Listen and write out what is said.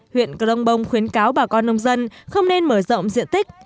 huyện cờ đông bông khuyến cáo bà con nông dân không nên mở rộng diện tích